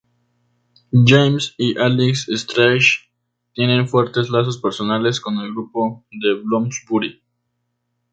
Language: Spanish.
James y Alix Strachey tienen fuertes lazos personales con el grupo de Bloomsbury.